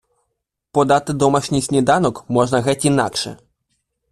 Подати домашній сніданок можна геть інакше.